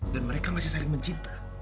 dan mereka masih saling mencinta